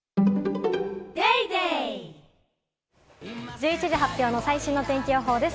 １１時発表の最新の天気予報です。